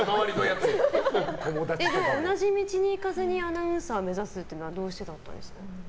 同じ道に行かずにアナウンサー目指すっていうのはどうしてだったんですか？